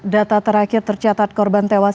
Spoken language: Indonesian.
data terakhir tercatat korban tewas